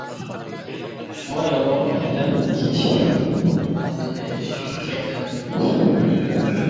شۇڭا ياللۇغنىڭ ئەدەپ كېتىشىنىڭ ئالدىنى ئېلىشى ئۈچۈن چەكلىنىدۇ.